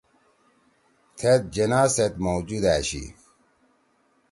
تھید جناح سیت موجود أشی